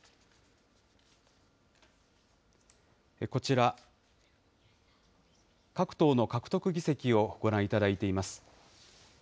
こちら、各党の獲得議席をご覧いただいています。